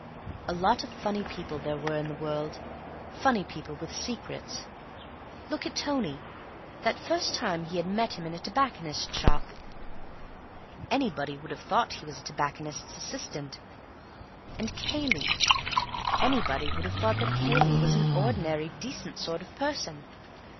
Lot of funny people there were in the world—funny people with secrets. Look at Tony, that first time he had met him in a tobacconist's shop. Anybody would have thought he was a tobacconist's assistant. And Cayley. Anybody would have thought that Cayley was an ordinary decent sort of person.